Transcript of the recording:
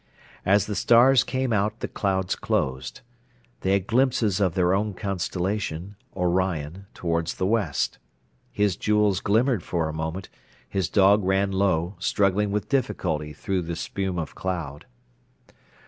As the stars came out the clouds closed. They had glimpses of their own constellation, Orion, towards the west. His jewels glimmered for a moment, his dog ran low, struggling with difficulty through the spume of cloud.